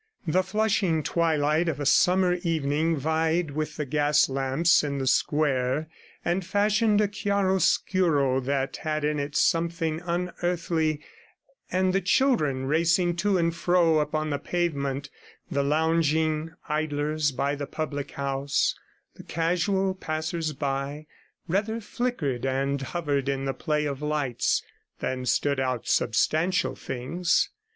The flushing twilight of a summer evening vied with the gas lamps in the square, and fashioned a chiaroscuro that had in it something unearthly; and the children, racing to and fro upon the pavement, the lounging idlers by the public house, and the casual passers by rather flickered and hovered in the play of lights than stood out substantial things.